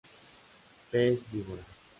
Pez víbora.